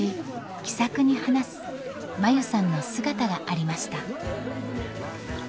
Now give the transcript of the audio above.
気さくに話す真優さんの姿がありました。